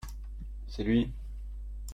c'est lui.